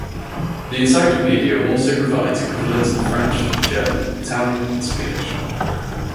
The encyclopedia also provides equivalents in French, German, Italian, and Swedish.